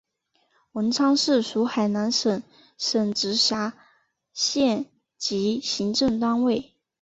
文昌市属海南省省直辖县级行政单位。